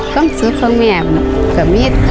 ความสุขของแม่กับมีด